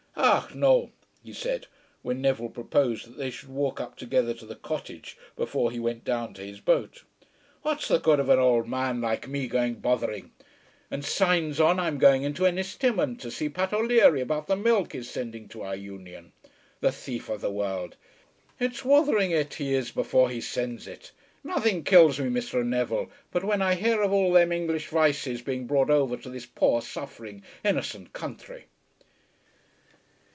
"Ah no," he said, when Neville proposed that they should walk up together to the cottage before he went down to his boat. "What's the good of an ould man like me going bothering? And, signs on, I'm going into Ennistimon to see Pat O'Leary about the milk he's sending to our Union. The thief of the world, it's wathering it he is before he sends it. Nothing kills me, Mr. Neville, but when I hear of all them English vices being brought over to this poor suffering innocent counthry."